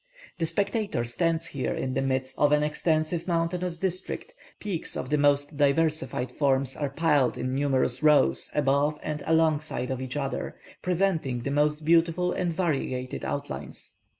The spectator stands here in the midst of an extensive mountainous district: peaks of the most diversified forms are piled in numerous rows above and alongside of each other, presenting the most beautiful and variegated outlines.